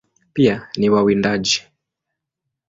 Pia ni wawindaji.